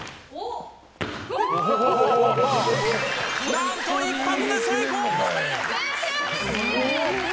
何と、一発で成功！